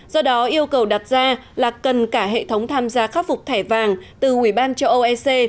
do đó yêu cầu đặt ra là cần cả hệ thống tham gia khắc phục thẻ vàng từ ủy ban cho oec